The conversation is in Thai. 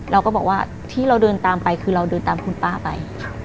เราก็บอกว่าที่เราเดินตามไปคือเราเดินตามคุณป้าไป